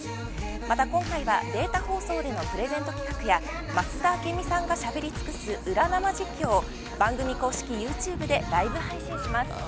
また今回は、データ放送でのプレゼント企画や増田明美さんがしゃべり尽くす裏生実況を番組公式ユーチューブでライブ配信します。